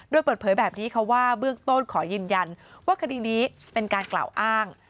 โดยเปิดเผยแบบนี้ค่ะว่าเบื้องต้นขอยืนยันว่าคดีนี้เป็นการกล่าวอ้าง